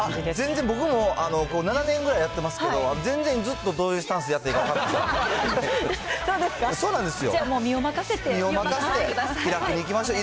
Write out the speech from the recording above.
全然僕も７年ぐらいやってますけど、全然、どういうスタンスでやっていいか分からないですよ。